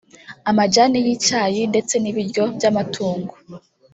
amajyani y’icyayi ndetse n’ibiryo by’amatungo